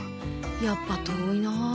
やっぱ遠いな。